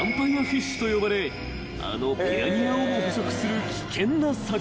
フィッシュと呼ばれあのピラニアをも捕食する危険な魚］